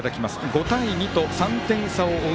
５対２と３点差を追う